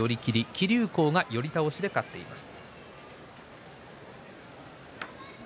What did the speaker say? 木竜皇が寄り倒しで勝っています。